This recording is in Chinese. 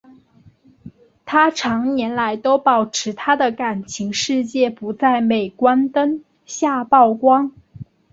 她长年来都保持她的感情世界不在镁光灯下曝光。